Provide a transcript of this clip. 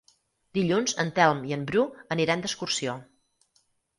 Dilluns en Telm i en Bru aniran d'excursió.